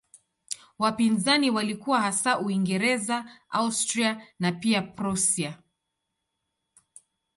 Wapinzani walikuwa hasa Uingereza, Austria na pia Prussia.